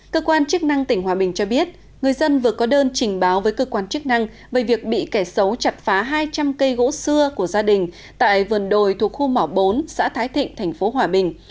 cơ quan chức năng tỉnh hòa bình cho biết người dân vừa có đơn trình báo với cơ quan chức năng về việc bị kẻ xấu chặt phá hai trăm linh cây gỗ xưa của gia đình tại vườn đồi thuộc khu mỏ bốn xã thái thịnh thành phố hòa bình